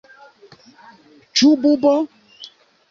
Ĉu bubo?